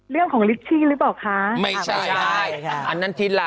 เรื่องของลิฟที่รึเปล่าคะไม่ใช่ค่ะใช่ค่ะอันนั้นที่หลัง